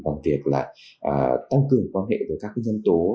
bằng việc là tăng cường quan hệ với các nhân tố rất là lớn của thế giới